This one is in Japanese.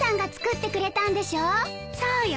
そうよ。